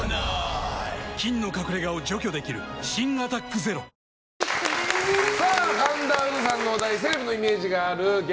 菌の隠れ家を除去できる新「アタックＺＥＲＯ」神田うのさんのお題セレブのイメージがある芸